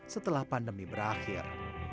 setelah pandemi berakhir